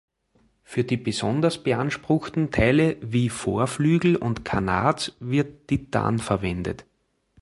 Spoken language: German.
Für die besonders beanspruchten Teile wie Vorflügel und Canards wird Titan verwendet.